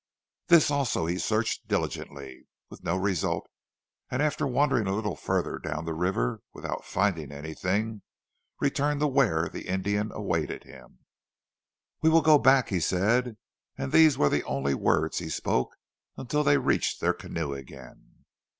This also he searched diligently, with no result; and after wandering a little further down the river without finding anything, returned to where the Indian awaited him. "We will go back," he said, and these were the only words he spoke until they reached their canoe again.